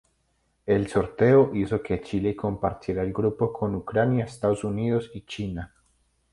El sorteo hizo que Chile compartiera el grupo con Ucrania, Estados Unidos y China.